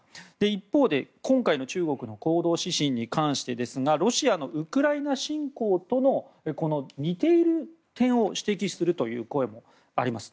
一方で、今回の中国の行動指針に関してですがロシアのウクライナ侵攻と似ている点を指摘するという声もあります。